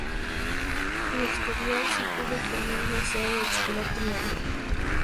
El exterior se cubre con un glaseado de chocolate negro.